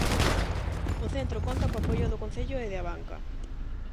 O centro conta co apoio do concello e de Abanca.